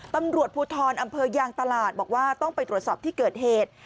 ตำรวจภูทรอำเภอยางตลาดบอกว่าต้องไปตรวจสอบที่เกิดเหตุ